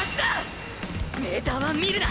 メーターは見るな！！